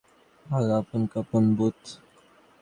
Al Capone booth.